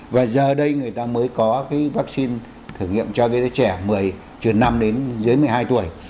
và giờ đây người ta mới có cái vaccine thử nghiệm cho cái đứa trẻ một mươi từ năm đến dưới một mươi hai tuổi